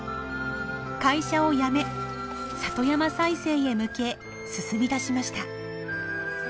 会社を辞め里山再生へ向け進み出しました。